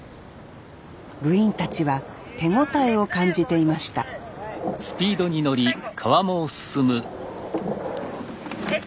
部員たちは手応えを感じていましたさあいこう。